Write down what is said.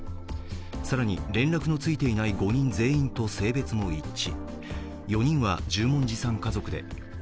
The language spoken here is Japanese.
更に、連絡のついていない５人全員と性別も一致。